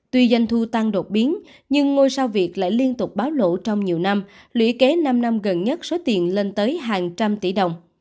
tuy doanh thu tăng đột biến nhưng ngôi sao việt lại liên tục báo lộ trong nhiều năm lũy kế năm năm gần nhất số tiền lên tới hàng trăm tỷ đồng